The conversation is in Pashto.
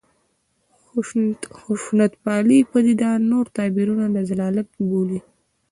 خشونتپالې پدیده نور تعبیرونه د ضلالت بولي.